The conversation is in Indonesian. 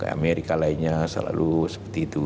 amerika lainnya selalu seperti itu